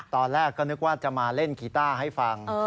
ตอนแรกก็นึกว่าจะมาเล่นกีต้าให้ฟัง